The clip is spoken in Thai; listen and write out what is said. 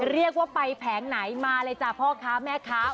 เรียกว่าไปแผงไหนมาเลยจ้ะพ่อค้าแม่ค้า